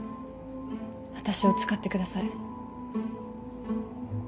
私を使ってください。